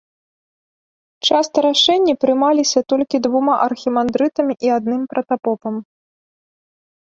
Часта рашэнні прымаліся толькі двума архімандрытамі і адным пратапопам.